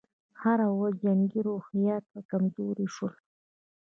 هره ورځ یې جنګي روحیات کمزوري شول.